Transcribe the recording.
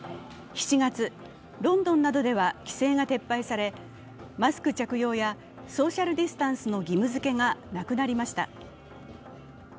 ７月、ロンドンなどでは規制が撤廃され、マスク着用やソーシャルディスタンスの義務付けがなくなりました。